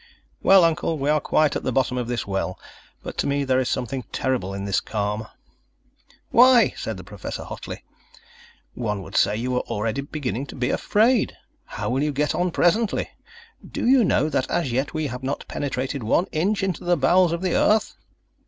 "Well, Uncle, we are quite at the bottom of this well but to me there is something terrible in this calm." "Why," said the Professor hotly, "one would say you were already beginning to be afraid. How will you get on presently? Do you know, that as yet, we have not penetrated one inch into the bowels of the earth."